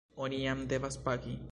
Oni jam devas pagi?